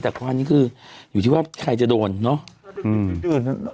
แต่พออันนี้คืออยู่ที่ว่าใครจะโดนเนอะอืมอืม